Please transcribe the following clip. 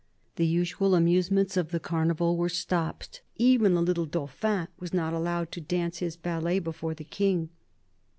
The usual amusements of the Carnival were stopped ; even the little Dauphin was not allowed to dance his ballet before the King.